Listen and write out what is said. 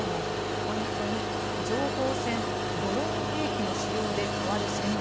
ポイント２、情報戦ドローン兵器の使用で変わる戦場。